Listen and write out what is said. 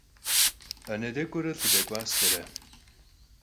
Ane dek'uere lh'ı dek'uasere.